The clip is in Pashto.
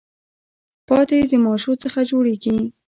پاتی د ماشو څخه جوړیږي.